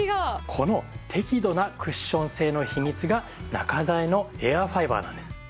この適度なクッション性の秘密が中材のエアファイバーなんです。